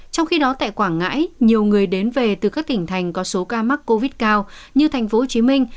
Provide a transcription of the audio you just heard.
trong khi đó tại quảng ngãi nhiều người đến về từ các tỉnh thành có số ca mắc covid cao như thành phố hồ chí minh